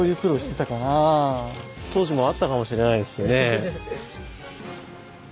当時もあったかもしれないですねえ。